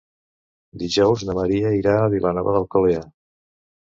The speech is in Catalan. Dijous na Maria irà a Vilanova d'Alcolea.